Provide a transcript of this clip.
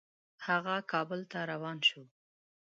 هغه کابل ته روان شو.